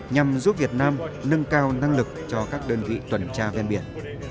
nhằm giúp việt nam nâng cao năng lực cho các đơn vị tuần tra ven biển